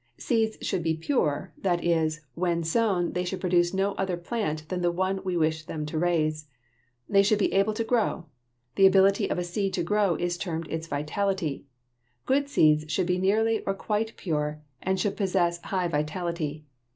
Seeds should be pure; that is, when sown they should produce no other plant than the one that we wish to raise. They should be able to grow. The ability of a seed to grow is termed its vitality. Good seed should be nearly or quite pure and should possess high vitality.